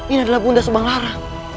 ini adalah bunda subang lara